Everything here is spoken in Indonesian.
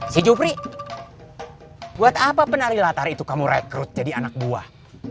si jupri buat apa penari latar itu kamu rekrut jadi anak buah